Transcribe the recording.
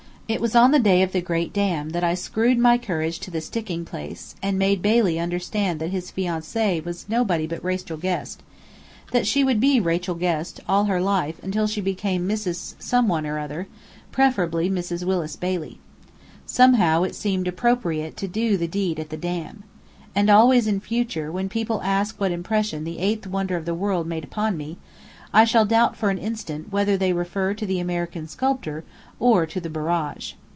It was on the day of the Great Dam that I screwed my courage to the sticking place, and made Bailey understand that his fiancée was nobody but Rachel Guest; that she would be Rachel Guest all her life until she became Mrs. Some One or Other: preferably Mrs. Willis Bailey. Somehow it seemed appropriate to do the deed at the Dam. And always in future, when people ask what impression the eighth wonder of the world made upon me, I shall doubt for an instant whether they refer to the American sculptor, or to the Barrage.